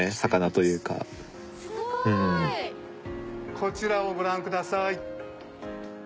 こちらをご覧ください。